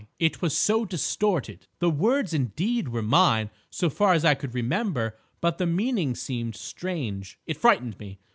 "It was so distorted. The words, indeed, were mine so far as I could remember, but the meanings seemed strange. It frightened me.